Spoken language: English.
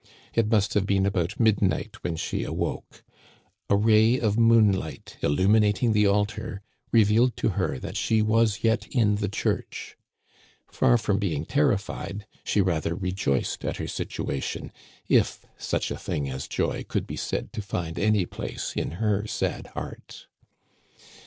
It must have been about mid night when she awoke. A ray of moonlight illuminating the altar revealed to her that she was yet in the church. Far from being terrified, she rather rejoiced at her situa tion, if such a thing as joy could be said to find any place in her sad heart.